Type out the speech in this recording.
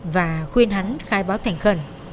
và khuyên hắn khai báo thành khẩn